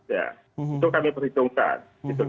itu kami perhitungkan